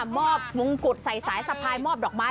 มอบมงกุฎใส่สายสะพายมอบดอกไม้